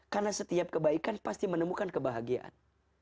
karena setiap kebaikan pasti menemukan kebahagiaan